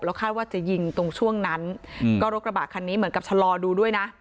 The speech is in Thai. คาดว่าจะยิงตรงช่วงนั้นก็รถกระบะคันนี้เหมือนกับชะลอดูด้วยนะ